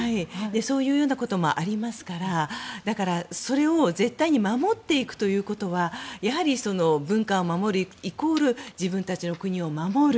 そういうこともありますからだから、それを絶対に守っていくということはやはり文化を守るイコール自分たちの国を守る。